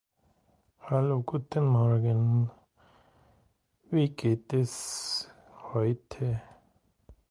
Bormla's domination in height over the surrounding areas tends to corroborate this version.